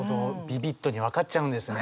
ビビッドに分かっちゃうんですね。